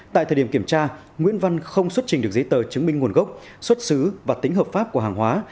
tại thời điểm kiểm tra nguyễn văn không xuất trình được giấy tờ chứng minh nguồn gốc xuất xứ và tính hợp pháp của hàng hóa